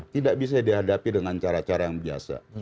tidak bisa dihadapi dengan cara cara yang biasa